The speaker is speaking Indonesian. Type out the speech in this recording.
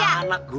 keras apa sih